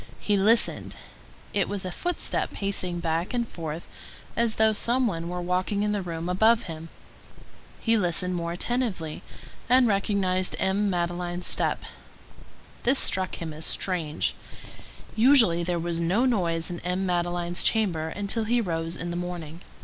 He listened; it was a footstep pacing back and forth, as though some one were walking in the room above him. He listened more attentively, and recognized M. Madeleine's step. This struck him as strange; usually, there was no noise in M. Madeleine's chamber until he rose in the morning.